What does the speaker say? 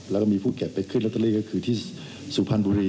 แล้วก็มีผู้เก็บไปขึ้นลอตเตอรี่ก็คือที่สุพรรณบุรี